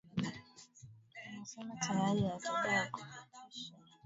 amesema tayari ratiba ya kupitisha muswada huo imeshapangwa